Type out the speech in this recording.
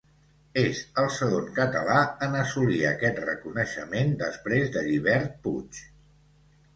És el segon català en assolir aquest reconeixement, després de Llibert Puig.